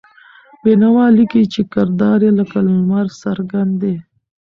بېنوا لیکي چې کردار یې لکه لمر څرګند دی.